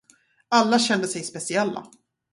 Alla kände sig speciella.